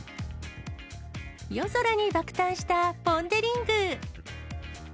夜空に爆誕したポンデリング。